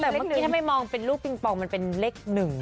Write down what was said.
แต่เมื่อกี้ถ้าไม่มองเป็นลูกปิงปองมันเป็นเลข๑